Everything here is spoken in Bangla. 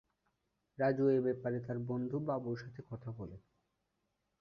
রাজু এ ব্যাপারে তার বন্ধু বাবুর সাথে কথা বলে।